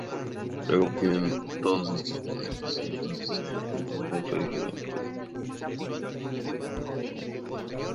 Luego obtienes todos estos poderes y entonces tienes un conjunto diferente de problemas.